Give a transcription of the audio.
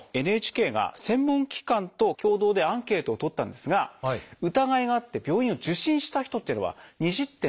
ＮＨＫが専門機関と共同でアンケートを取ったんですが疑いがあって病院を受診した人っていうのは２０．３％。